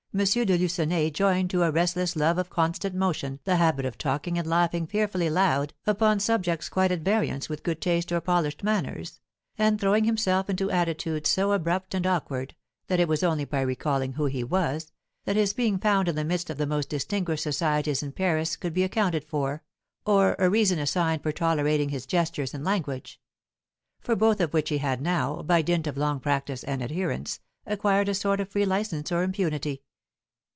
de Lucenay joined to a restless love of constant motion the habit of talking and laughing fearfully loud upon subjects quite at variance with good taste or polished manners, and throwing himself into attitudes so abrupt and awkward that it was only by recalling who he was, that his being found in the midst of the most distinguished societies in Paris could be accounted for, or a reason assigned for tolerating his gestures and language; for both of which he had now, by dint of long practice and adherence, acquired a sort of free license or impunity.